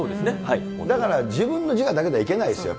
だから自分の自我だけではいけないですよね。